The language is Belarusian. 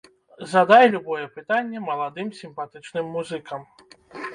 Задай любое пытанне маладым сімпатычным музыкам!